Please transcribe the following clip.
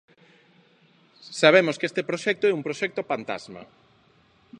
Sabemos que este proxecto é un proxecto pantasma.